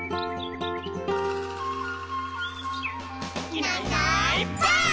「いないいないばあっ！」